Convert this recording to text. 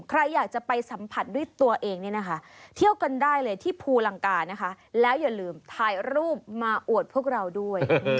ใครอยากจะไปสัมผัสด้วยตัวเองเนี่ยนะคะเที่ยวกันได้เลยที่ภูลังกานะคะแล้วอย่าลืมถ่ายรูปมาอวดพวกเราด้วย